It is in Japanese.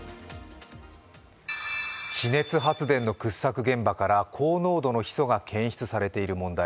地熱発電の掘削現場から高濃度のヒ素が検出されている問題。